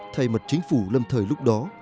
thay mặt chính phủ lâm thời lúc đó